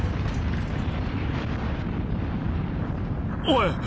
おい！